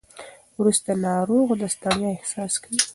وروسته ناروغ د ستړیا احساس کوي.